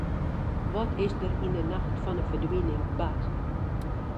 Wat is der yn 'e nacht fan de ferdwining bard?